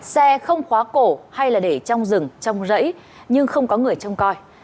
xe không khóa cổ hay là để trong rừng trong rẫy nhưng không có người trong coi